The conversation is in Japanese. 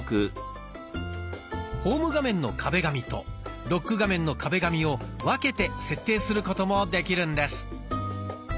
ホーム画面の壁紙とロック画面の壁紙を分けて設定することもできるんです。